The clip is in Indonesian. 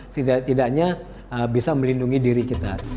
setidaknya bisa melindungi diri kita